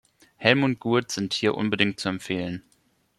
Helm und Gurt sind hier unbedingt zu empfehlen.